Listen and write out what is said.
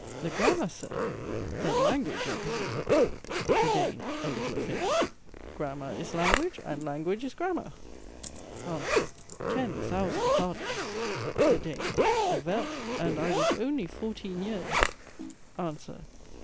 The grammar, Sir? The language, I presume THE DANE. (A little offended.) Grammar is language, and language is grammar ANSWER. Ten thousand pardons! THE DANE. Vell, and I was only fourteen years ANSWER.